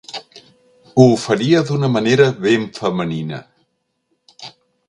Ho oferiria d'una manera ben femenina.